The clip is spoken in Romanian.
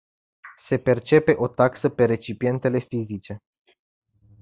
Se percepe o taxă pe recipientele fizice.